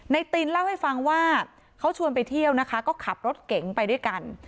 ตินเล่าให้ฟังว่าเขาชวนไปเที่ยวนะคะก็ขับรถเก๋งไปด้วยกัน